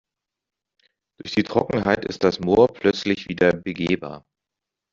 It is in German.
Durch die Trockenheit ist das Moor plötzlich wieder begehbar.